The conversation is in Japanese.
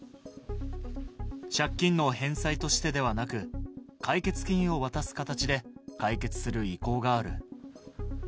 借金の返済としてではなく、解決金を渡す形で解決する意向がある。